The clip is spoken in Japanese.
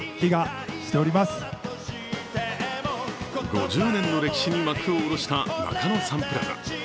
５０年の歴史に幕を下ろした中野サンプラザ。